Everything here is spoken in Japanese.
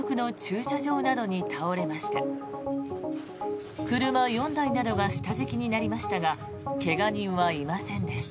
車４台などが下敷きになりましたが怪我人はいませんでした。